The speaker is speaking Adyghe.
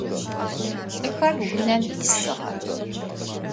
Лӏыхэр унэм исыгъэх.